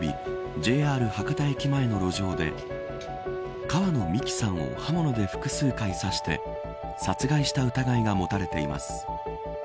ＪＲ博多駅前の路上で川野美樹さんを刃物で複数回刺して殺害した疑いが持たれています。